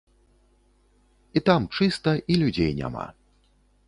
І там чыста і людзей няма.